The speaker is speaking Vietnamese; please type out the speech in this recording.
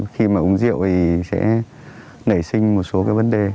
khi mà uống rượu thì sẽ nảy sinh một số cái vấn đề